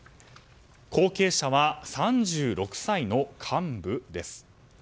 後継者は３６歳の幹部？です。